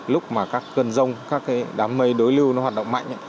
lúc mà các cơn rông các cái đám mây đối lưu nó hoạt động mạnh